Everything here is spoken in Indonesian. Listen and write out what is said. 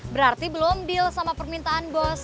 berarti belum deal sama permintaan bos